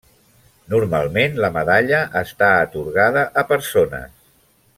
Normalment, la medalla està atorgada a persones.